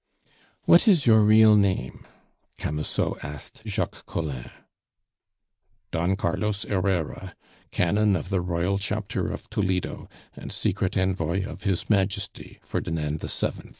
"What is your real name?" Camusot asked Jacques Collin. "Don Carlos Herrera, canon of the Royal Chapter of Toledo, and secret envoy of His Majesty Ferdinand VII."